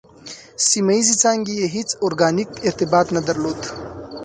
سیمه ییزې څانګې یې هېڅ ارګانیک ارتباط نه درلود.